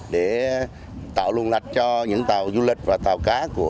để tạo luồng lạch cho những tàu du lịch và tàu cá của ngư dân